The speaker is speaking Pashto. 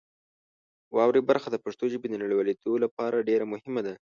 واورئ برخه د پښتو ژبې د نړیوالېدو لپاره ډېر مهمه ده.